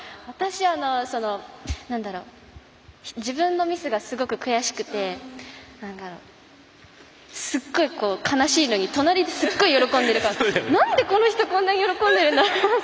私は自分のミスがすごい悔しくてすごい悲しいのに隣ですごい喜んでるからなんでこの人こんなに喜んでるんだろうって。